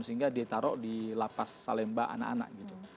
sehingga dia ditaruh di lapas salemba anak anak